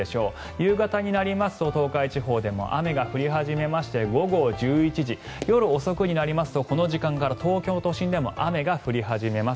夕方になりますと東海地方でも雨が降り始めまして午後１１時、夜遅くになりますとこの時間から東京都心でも雨が降り始めます。